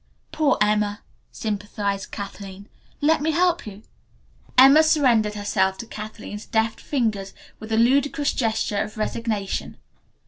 "Poor Emma," sympathized Kathleen. "Let me help you." Emma surrendered herself to Kathleen's deft fingers with a ludicrous gesture of resignation.